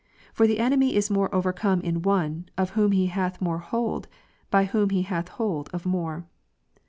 For the enemy is more overcome in one, of whom he hath more hold ; by whom he hath hold of more.